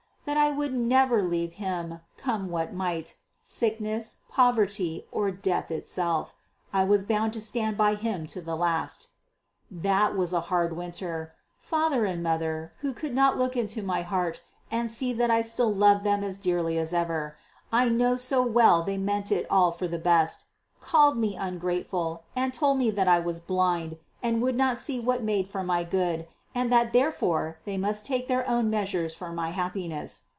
that I would never leave him, come what might, sickness, poverty, or death itself. I was bound to stand by him to the last. That was a hard winter. Father and mother, who could not look into my heart and see that I still loved them as dearly as ever I know so well they meant it all for the best called me ungrateful and told me that I was blind and would not see what made for my good, and that therefore they must take their own measures for my happiness.